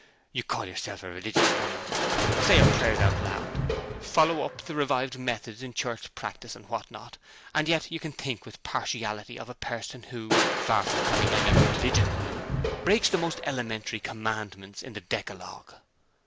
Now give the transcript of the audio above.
You call yourself a religious woman, say your prayers out loud, follow up the revived methods in church practice, and what not; and yet you can think with partiality of a person who, far from having any religion in him, breaks the most elementary commandments in the decalogue.'